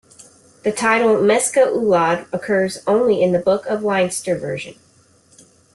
The title "Mesca Ulad" occurs only in the Book of Leinster version.